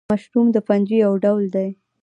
مشروم د فنجي یو ډول دی